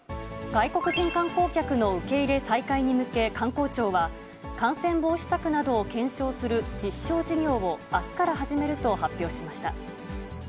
外国人観光客の受け入れ再開に向け、観光庁は、感染防止策などを検証する実証事業を、あすから始めると発表しました。